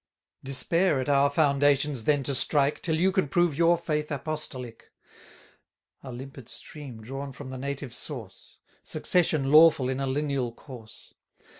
Despair at our foundations then to strike, Till you can prove your faith Apostolic; A limpid stream drawn from the native source; Succession lawful in a lineal course.